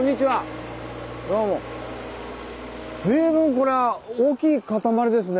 随分これは大きい塊ですね。